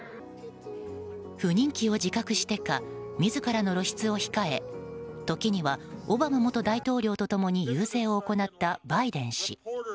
不人気を自覚してか自らの露出を控え時にはオバマ元大統領と共に遊説を行ったバイデン氏。